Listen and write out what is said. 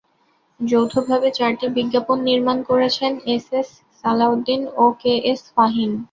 যৌথভাবে চারটি বিজ্ঞাপন নির্মাণ করেছেন এস এম সালাউদ্দিন ও কে এস ফাহিম।